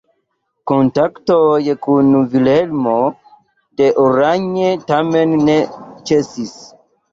Kontaktoj kun Vilhelmo de Oranje tamen ne ĉesis.